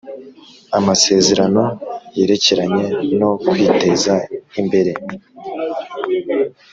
Amasezerano yerekeranye no kwiteza imbere